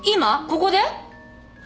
ここで？